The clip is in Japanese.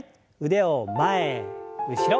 腕を前後ろ。